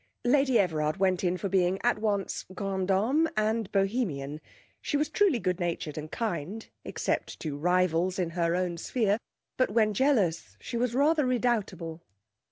Lady Everard went in for being at once grande dame and Bohemian. She was truly good natured and kind, except to rivals in her own sphere, but when jealous she was rather redoubtable.